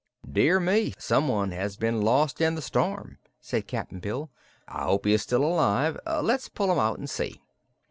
"Dear me! Someone has been lost in the storm," said Cap'n Bill. "I hope he is still alive. Let's pull him out and see."